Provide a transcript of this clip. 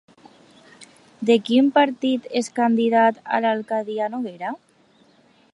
De quin partit és candidat a l'alcaldia Noguera?